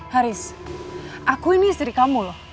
haris aku ini istri kamu loh